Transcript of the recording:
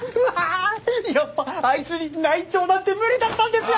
やっぱあいつに内調なんて無理だったんですよ！